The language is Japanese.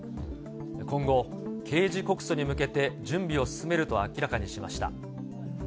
今後、刑事告訴に向けて準備を進めると明らかにしました。